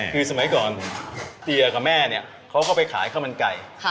คือสมัยก่อนเฮียกับแม่เนี่ยเขาก็ไปขายข้าวมันไก่